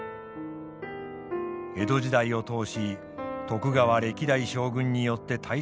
江戸時代を通し徳川歴代将軍によって大切に守られてきました。